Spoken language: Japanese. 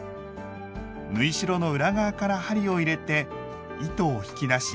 縫い代の裏側から針を入れて糸を引き出し